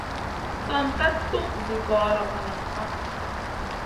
San ka tuʼ zi gora valam pa.